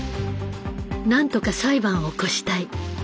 何とか裁判を起こしたい。